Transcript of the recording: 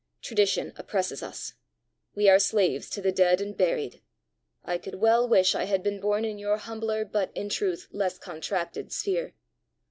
Tradition oppresses us. We are slaves to the dead and buried. I could well wish I had been born in your humbler but in truth less contracted sphere.